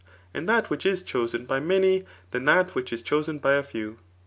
And that which is chosen by maay than that which as dhoeen by a £ew.